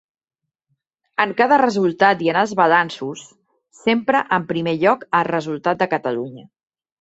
En cada resultat i en els balanços, sempre en primer lloc el resultat de Catalunya.